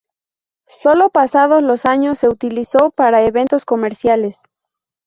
Sólo pasados los años se utilizó para eventos comerciales.